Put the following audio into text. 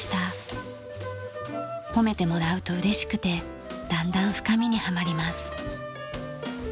褒めてもらうと嬉しくてだんだん深みにハマります。